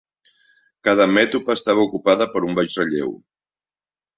Cada mètopa estava ocupada per un baix relleu.